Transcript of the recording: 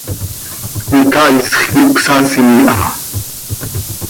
Icaaisx quih cöcasii ha.